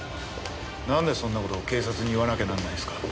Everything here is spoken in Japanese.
なんでそんな事を警察に言わなきゃならないんですか？